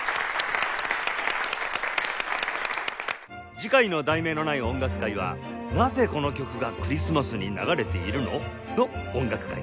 次回の『題名のない音楽会』は「なぜこの曲がクリスマスに流れているの？の音楽会」